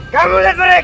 kamu lihat mereka